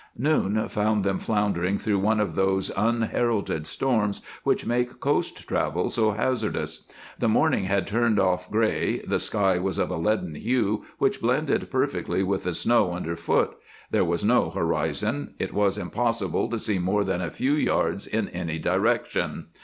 Noon found them floundering through one of those unheralded storms which make coast travel so hazardous. The morning had turned off gray, the sky was of a leaden hue which blended perfectly with the snow underfoot, there was no horizon, it was impossible to see more than a few yards in any direction.